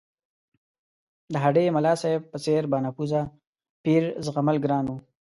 د هډې ملاصاحب په څېر بانفوذه پیر زغمل ګران وو.